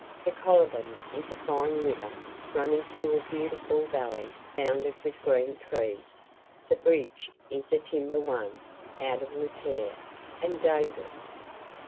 The Coliban is a fine river running through a beautiful valley bounded with green trees; the bridge is a timber one, out of repair, and dangerous.